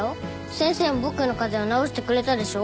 先生も僕の風邪を治してくれたでしょ。